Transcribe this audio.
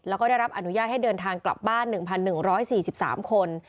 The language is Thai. แล้วก็ได้รับอนุญาตให้เดินทางกลับบ้าน๑๑๔๓คน